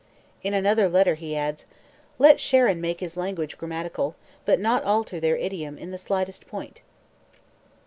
In another letter he adds, "Let Sharon make his language grammatical, but not alter their idiom in the slightest point."